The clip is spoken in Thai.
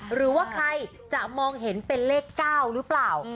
หรือว่าใครจะมองเห็นเป็นเลข๙หรือเปล่า